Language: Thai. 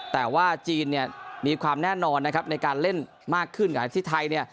แต่ว่าจีนเนี่ยมีความแน่นอนนะครับในการเล่นมากขึ้นกับที่ไทยเนี่ย